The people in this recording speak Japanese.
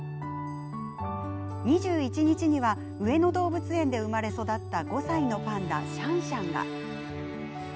２１日には上野動物園で生まれ育った５歳のパンダ、シャンシャンが。